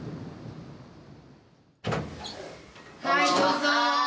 はいどうぞ！